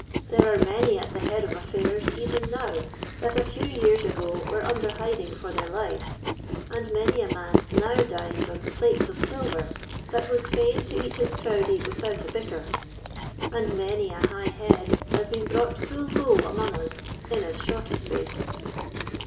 There are many at the head of affairs even now that a few years ago were under hiding for their lives; and many a man now dines on plate of silver that was fain to eat his crowdy without a bicker; and many a high head has been brought full low among us in as short a space.